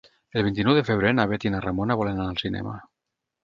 El vint-i-nou de febrer na Bet i na Ramona volen anar al cinema.